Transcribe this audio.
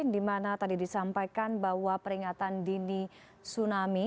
dimana tadi disampaikan bahwa peringatan dini tsunami